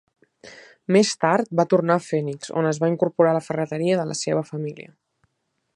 Més tard va tornar a Phoenix on es va incorporar a la ferreteria de la seva família.